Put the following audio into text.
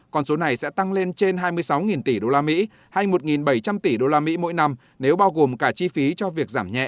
còn số này sẽ tăng lên trên hai mươi sáu tỷ usd hay một bảy trăm linh tỷ usd mỗi năm nếu bao gồm cả chi phí cho việc giảm nhẹ